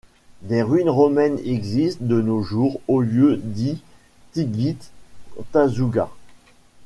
Des ruines romaines existent de nos jours au lieu-dit Tighilt Tazougaght.